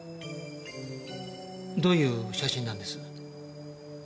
どういう写真なんです？